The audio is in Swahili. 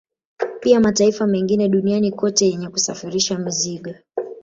Pia mataifa mengine duniani kote yenye kusafirisha mizigo